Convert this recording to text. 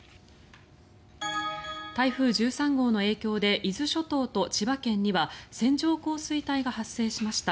台風１３号の影響で伊豆諸島と千葉県には線状降水帯が発生しました。